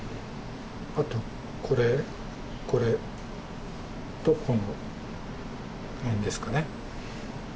あとこれこれとこの辺ですかね。